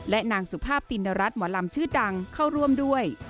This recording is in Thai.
และนางสุภาพตินรัฐหมอลำชื่อดังเข้าร่วมด้วย